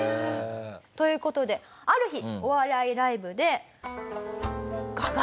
という事である日お笑いライブで。